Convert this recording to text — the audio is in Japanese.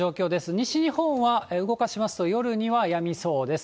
西日本は動かしますと、夜にはやみそうです。